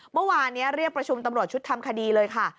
เมื่อวานนี้เรียกประชุมตำรวจชุดทำคดีเลยค่ะ